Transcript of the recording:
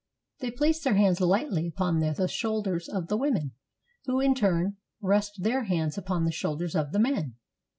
They place their hands lightly upon the shoulders of the women, who in turn rest their hands upon the shoulders of the men.